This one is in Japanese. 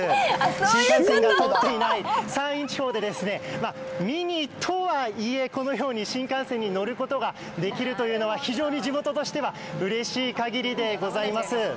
新幹線の通っていない山陰地方でミニとはいえこのように新幹線に乗ることができるというのは非常に地元としてはうれしい限りでございます。